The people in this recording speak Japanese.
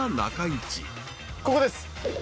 ここです。